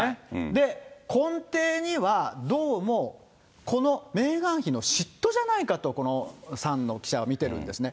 で、根底には、どうもこのメーガン妃の嫉妬じゃないかと、このサンの記者は見てるんですね。